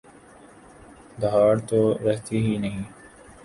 دھاڑ تو رہتی ہی نہیں۔